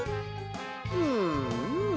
うんうん。